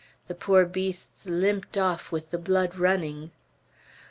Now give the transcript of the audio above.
The poor beasts limped off with the blood running."